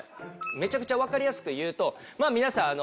めちゃくちゃわかりやすく言うと皆さん